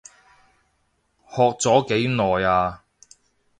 學咗幾耐啊？